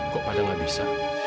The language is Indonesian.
kok pada gak bisa